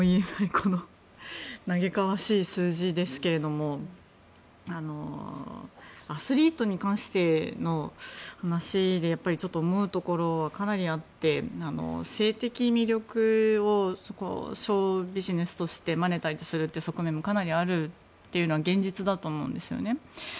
この嘆かわしい数字ですがアスリートに関しての話で思うところはかなりあって、性的魅力をショービジネスとしてマネタイズするという側面がかなりあるというのは現実だと思うんですよね。